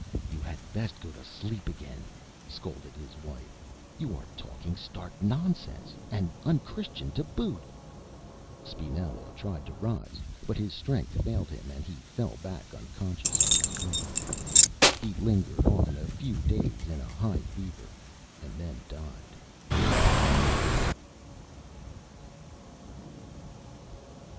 "You had best go to sleep again," scolded his wife. "You are talking stark nonsense, and unchristian to boot." Spinello tried to rise, but his strength failed him and he fell back unconscious on his pillow. He lingered on a few days in a high fever, and then died.